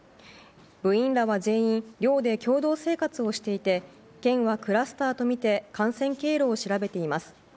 部員らは全員寮で共同生活をしていて県はクラスターとみて感染経路を調べています。